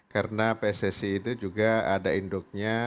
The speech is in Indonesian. karena pssi itu juga ada induknya